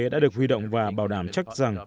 đã được huy động và bảo đảm chắc rằng